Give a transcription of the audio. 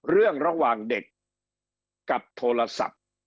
เรื่องระหว่างเด็กกับโทรศัพท์